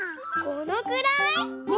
このくらい！